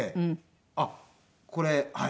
あっこれはい。